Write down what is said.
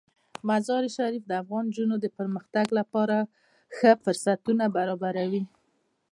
مزارشریف د افغان نجونو د پرمختګ لپاره ښه فرصتونه برابروي.